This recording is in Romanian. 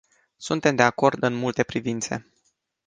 Suntem de acord în multe privințe.